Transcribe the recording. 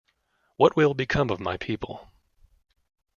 What will become of my people?